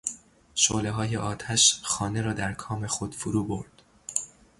شعله های آتش خانه را در کام خود فرو برد.